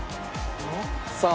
さあ。